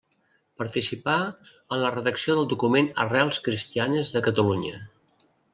Participà en la redacció del document Arrels cristianes de Catalunya.